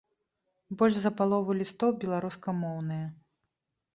Больш за палову лістоў беларускамоўныя.